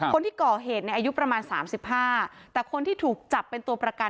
คนที่ก่อเหตุในอายุประมาณ๓๕แต่คนที่ถูกจับเป็นตัวประกัน